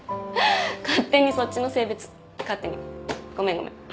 勝手にそっちの性別勝手にごめんごめん。